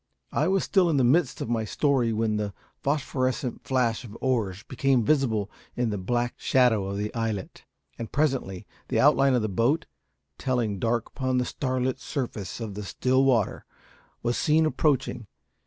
I was still in the midst of my story when the phosphorescent flash of oars became visible in the black shadow of the islet, and presently the outline of the boat, telling dark upon the starlit surface of the still water, was seen approaching.